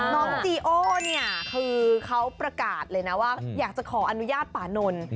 น้องจีโอเนี่ยคือเขาประกาศเลยนะว่าอยากจะขออนุญาตป่านนท์